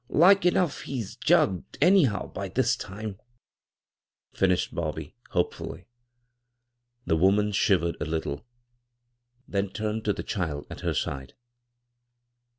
Like enough he's jugged anyhow by this time," finished Bobby, hopefully. The woman shivered a little, then turned to the child at her side.